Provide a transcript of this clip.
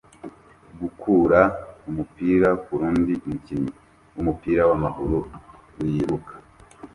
gukura umupira kurundi mukinnyi wumupira wamaguru wiruka